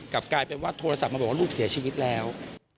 กลับกลายเป็นว่าโทรศัพท์มาบอกว่าลูกเสียชีวิตแล้ว